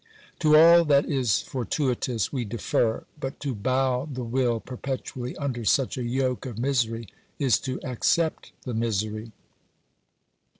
To all that is fortuitous we defer, but to bow the will perpetually under such a yoke of misery is to accept the misery.